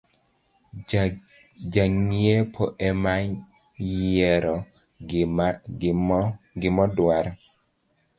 Jang’iepo emayiero gimodwaro